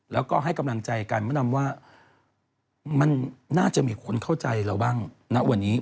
แล้วก็ให้กำลังใจกันมะดำว่ามันน่าจะมีคนเข้าใจเราบ้างณวันนี้